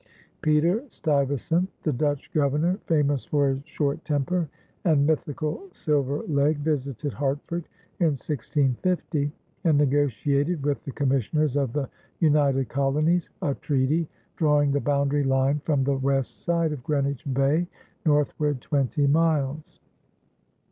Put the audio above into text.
Peter Stuyvesant, the Dutch Governor, famous for his short temper and mythical silver leg, visited Hartford in 1650, and negotiated with the commissioners of the United Colonies a treaty drawing the boundary line from the west side of Greenwich Bay northward twenty miles.